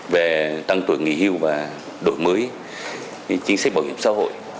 về tăng tuổi nghỉ hưu và đổi mới chính sách bảo hiểm xã hội